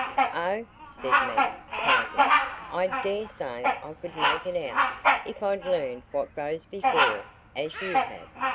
"Oh," said Maggie, pouting, "I dare say I could make it out, if I'd learned what goes before, as you have."